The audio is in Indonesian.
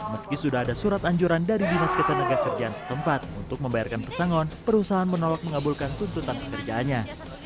meski sudah ada surat anjuran dari dinas ketenagakerjaan setempat untuk membayarkan pesangon perusahaan menolak mengabulkan tuntutan pekerjaannya